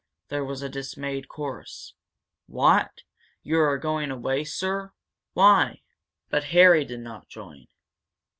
There was a dismayed chorus. "What? You going away, sir? Why?" But Harry did not join.